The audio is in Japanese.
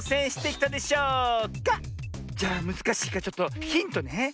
じゃあむずかしいからちょっとヒントね。